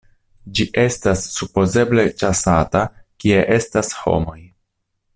Ĝi estas supozeble ĉasata kie estas homoj.